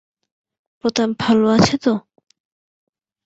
প্রতাপ ভাল আছে তো?